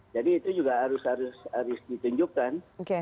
jadi itu juga harus harus ditunjukkan